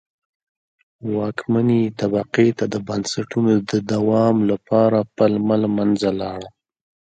واکمنې طبقې ته د بنسټونو د دوام لپاره پلمه له منځه لاړه.